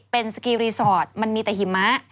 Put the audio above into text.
เป็นสกีรีสอร์ทมันมีแต่หิมะ